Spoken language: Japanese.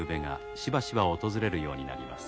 しばしば訪れるようになります。